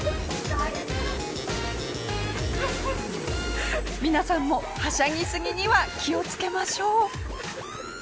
皆さんもはしゃぎすぎには気をつけましょう。